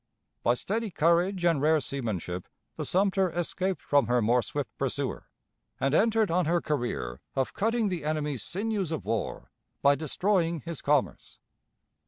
By steady courage and rare seamanship the Sumter escaped from her more swift pursuer, and entered on her career of cutting the enemy's sinews of war by destroying his commerce.